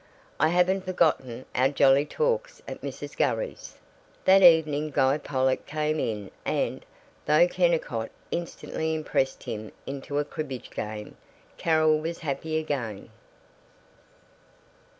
I haven't forgotten our jolly talks at Mrs. Gurrey's!" That evening Guy Pollock came in and, though Kennicott instantly impressed him into a cribbage game, Carol was happy again.